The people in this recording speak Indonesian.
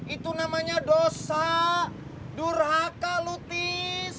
itu namanya dosa durhaka lu tis